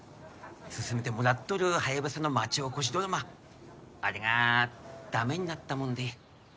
進めてもらっとるハヤブサの町おこしドラマあれが駄目になったもんで。